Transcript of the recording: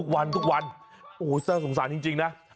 โหจ้าน่าสงสารจริงนะ